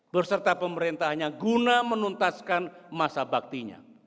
berserta pemerintahnya guna menuntaskan masa baktinya